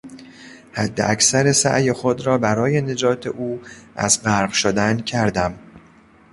حداکثر سعی خود را برای نجات او از غرق شدن کردم.